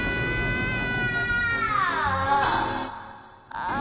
ああ！